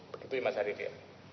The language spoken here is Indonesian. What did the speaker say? begitu ya mas arief ya